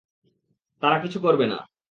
তারা কিছু করবে না।